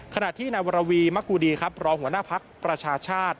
ขณะที่นายวรวีมะกูดีครับรองหัวหน้าภักดิ์ประชาชาติ